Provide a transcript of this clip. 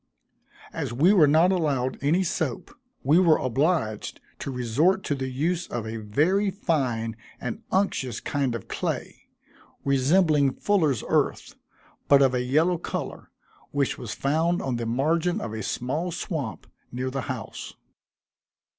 As we were not allowed any soap, we were obliged to resort to the use of a very fine and unctuous kind of clay, resembling fullers' earth, but of a yellow color, which was found on the margin of a small swamp near the house.